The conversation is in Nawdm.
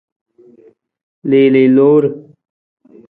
Liili loor.